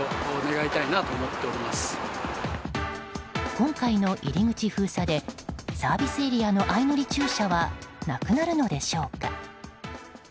今回の入り口封鎖でサービスエリアの相乗り駐車はなくなるのでしょうか。